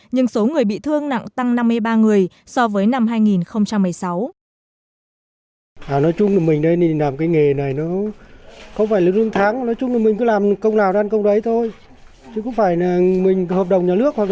nhưng số người bị thương nặng tăng năm mươi ba người so với năm hai nghìn một mươi sáu